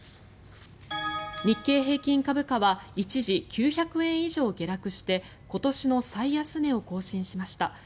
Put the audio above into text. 日経平均株価は一時、９００円以上下落して今年の最安値を更新しました。